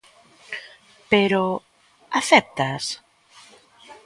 Pero ¿acéptaas?